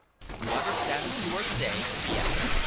"You understand what you are saying?" he asked.